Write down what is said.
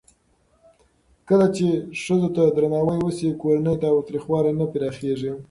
کله چې ښځو ته درناوی وشي، کورنی تاوتریخوالی نه پراخېږي.